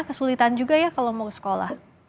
kesulitan juga ya kalau mau sekolah